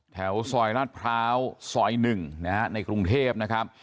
แถวสอยรัฐพราวสอยหนึ่งนะครับในกรุงเทพนะครับ